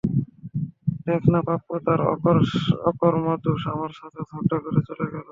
দেখনা পাপ্পু, তোর অকর্মা দোস, আমার সাথে ঝগড়া করে চলে গেলো।